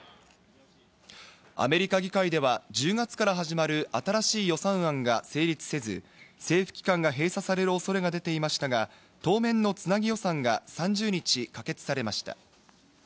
アメリカ議会では、１０月から始まる新しい予算案が成立せず、政府機関が閉鎖される恐れが出ていましたが、当面のつなぎ予算が３０日、可決されました。